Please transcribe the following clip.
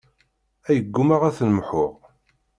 Ay ggummaɣ ad ten-mḥuɣ.